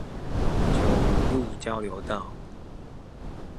九如路交流道